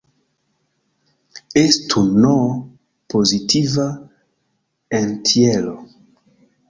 Estu "n" pozitiva entjero.